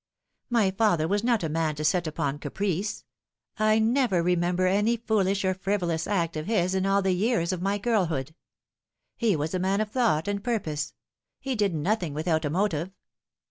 My father was not a man to act upon caprice. I never remember any foolish or frivolous act of his in all the years of my girlhood. He was a man of thought and purpose ; he did nothing without a motive.